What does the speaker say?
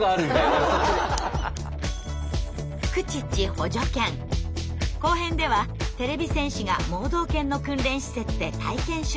補助犬後編ではてれび戦士が盲導犬の訓練施設で体験取材。